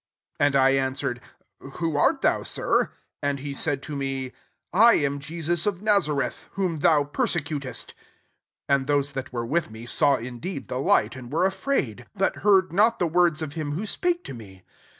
8 And I answered, 'Who art thou. Sir ?' And he said to me, ' I am Jesus of Nazareth, whom thou persccutest.' 9 And those that were with me saw indeed the light, [and were afraid i] but iieard not the words of him who spake to me.